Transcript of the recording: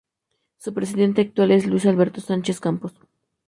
Su presidente actual es Luis Alberto Sánchez Campos.